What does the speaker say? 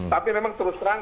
tapi memang terus terang